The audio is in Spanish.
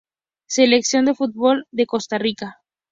Selección de fútbol de Costa Rica.